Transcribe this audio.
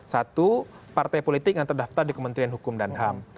satu partai politik yang terdaftar di kementerian hukum dan ham